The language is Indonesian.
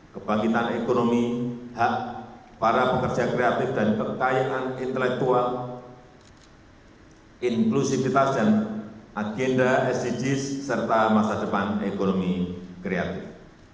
kebangkitan ekonomi hak para pekerja kreatif dan kekayaan intelektual inklusivitas dan agenda sdgs serta masa depan ekonomi kreatif